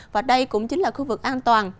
và đây cũng chính là khu vực an toàn